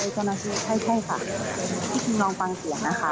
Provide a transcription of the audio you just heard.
เจ้าหน้าที่ใช่ใช่ค่ะพี่คิมลองปังเสียงนะคะ